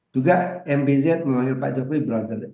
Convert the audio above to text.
juga mbz memanggil pak jokowi berangkat